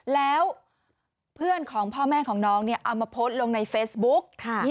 แล้วเพื่อนของพ่อแม่ของน้องเอามาโพสต์ลงในเฟซบุ๊ก